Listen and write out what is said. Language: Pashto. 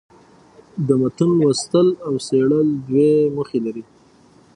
د متون لوستل او څېړل دوې موخي لري.